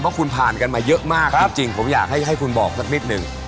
เพราะคุณผ่านกันมาเยอะมากจริงผมอยากให้คุณบอกสักนิดหนึ่ง